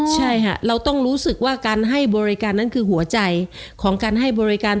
ใช่ค่ะเราต้องรู้สึกว่าการให้บริการนั้นคือหัวใจของการให้บริการ